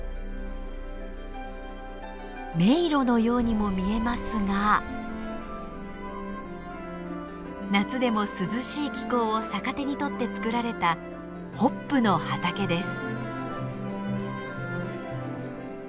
迷路のようにも見えますが夏でも涼しい気候を逆手に取って作られたホップの畑です。